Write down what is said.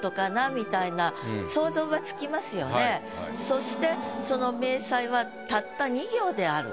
そしてその「明細」はたった「二行」であると。